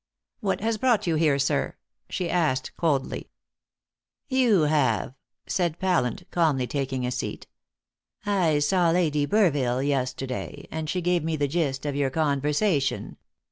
"What has brought you here, sir?" she asked coldly. "You have," said Pallant, calmly taking a seat. "I saw Lady Burville yesterday, and she gave me the gist of your conversation."